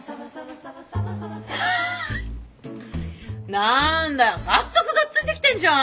何だよ早速がっついてきてんじゃん！